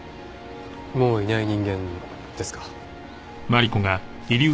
「もういない人間」ですか。